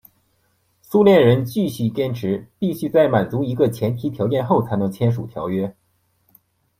苏联人继续坚持必须在满足一个前提条件后才能签署条约。